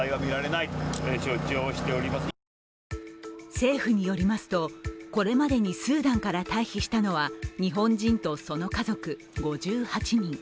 政府によりますと、これまでにスーダンから退避したのは日本人と、その家族５８人。